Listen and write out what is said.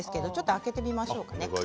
開けてみましょう。